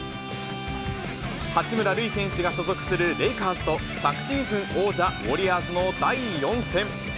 八村塁選手が所属するレイカーズと、昨シーズン王者、ウォリアーズの第４戦。